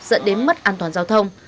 dẫn đến mất an toàn giao thông